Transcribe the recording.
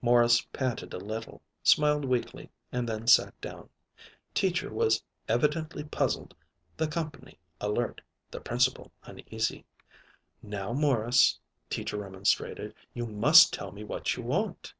Morris panted a little, smiled weakly, and then sat down. Teacher was evidently puzzled, the "comp'ny" alert, the Principal uneasy. "Now, Morris," Teacher remonstrated, "you must tell me what you want."